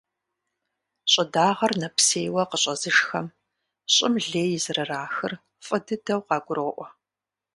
Щӏы дагъэр нэпсейуэ къыщӏэзышхэм щӏым лей зэрырахыр фӏы дыдэу къагуроӏуэ.